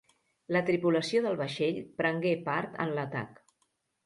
La tripulació del vaixell prengué part en l'atac.